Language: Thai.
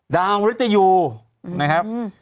ดาวมหัวฤทยูนะครับ